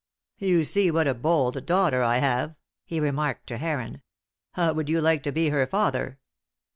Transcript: "You see what a bold daughter I have," he remarked to Heron. "How would you like to be her father?"